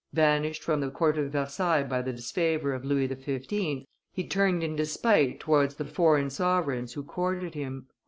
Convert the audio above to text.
Banished from the court of Versailles by the disfavor of Louis XV., he turned in despite towards the foreign sovereigns who courted him.